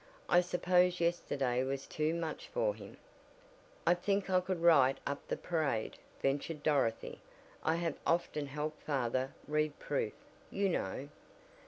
I suppose yesterday was too much for him." "I think I could write up the parade," ventured Dorothy. "I have often helped father read proof, you know."